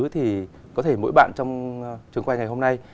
thì có thể mỗi bạn trong trường quay ngày hôm nay